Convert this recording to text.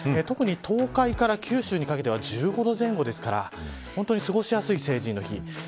特に東海から九州にかけては１５度前後なので本当に過ごしやすい成人の日。